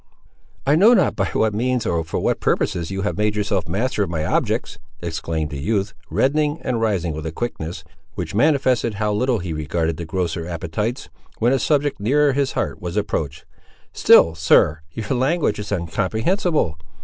"I know not by what means, or for what purposes, you have made yourself master of my objects!" exclaimed the youth, reddening and rising with a quickness which manifested how little he regarded the grosser appetites, when a subject nearer his heart was approached. "Still, sir, your language is incomprehensible.